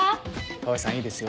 川合さんいいですよ。